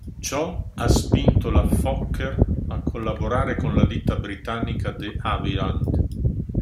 Ciò ha spinto la Fokker a collaborare con la ditta britannica De Havilland.